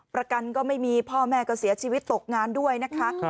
ประกันก็ไม่มีพ่อแม่ก็เสียชีวิตตกงานด้วยนะคะ